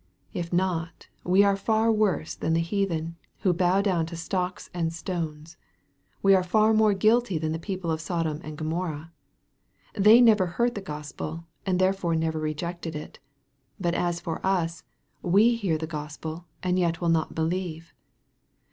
If not, we are far worse than the heathen, who bow down to stocks and stones. We are far more guilty than the people of Sodom and Gomorrah. They never heard the Gospel, and therefore never rejected it. But as for us, we hear the Gospel, and yet will not believe.